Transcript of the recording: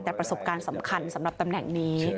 แต่ประสบการณ์สำคัญสำหรับตำแหน่งนี้